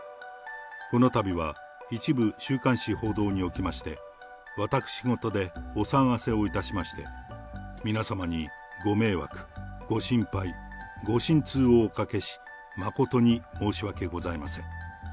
このたびは一部週刊誌報道におきまして、私事でお騒がせをいたしまして、皆様にご迷惑、ご心配、ご心痛をおかけし、誠に申し訳ございません。